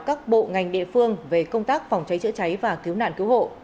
các bộ ngành địa phương về công tác phòng cháy chữa cháy và cứu nạn cứu hộ